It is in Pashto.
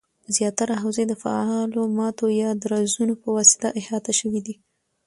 زیاتره حوزې د فعالو ماتو یا درزونو پواسطه احاطه شوي دي